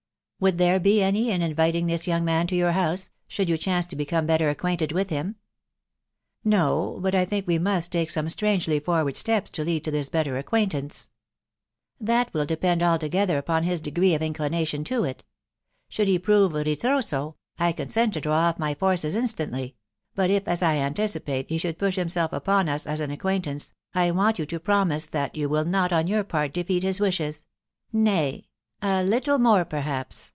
Would there be any in inviting this young man to your house, should you chance to become better acquainted with him ?"" No ; but I think we must take some strangely forward steps to lead to this better acquaintance." ,'* That will depend altogether upon his degree of inclin Mtion for it Should he prove ritroto, 1 cot«&t& to faro* <&^ 206 THE WIDOW BARNABY. forces instantly ; but if, as I anticipate, he should push him* self upon us as an acquaintance, I want you to promise that you will not on your part defeat his wishes, — nay, a little more perhaps